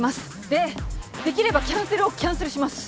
でできればキャンセルをキャンセルします。